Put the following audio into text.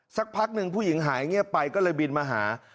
สักพักหนึ่งผู้หญิงหายเงียบไปก็เลยบินมาหา